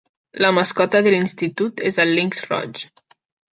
La mascota de l'institut és el linx roig.